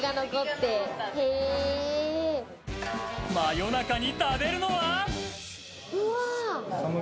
夜中に食べるのは？